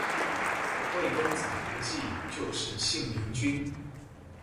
魏公子無忌就是信陵君